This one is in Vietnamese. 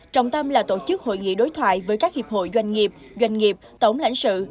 trọng tâm là tổ chức hội nghị đối thoại với các hiệp hội doanh nghiệp doanh nghiệp tổng lãnh sự